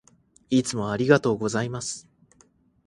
いつもありがとうございます。